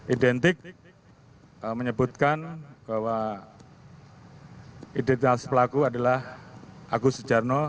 identik menyebutkan bahwa identitas pelaku adalah agus sejarno